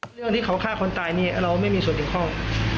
เรื่องที่เขาฆ่าคนตายนี่เราไม่มีส่วนเกี่ยวข้อง